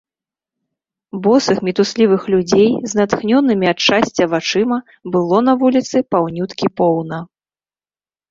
Босых мітуслівых людзей з натхнёнымі ад шчасця вачыма было на вуліцы паўнюткі поўна.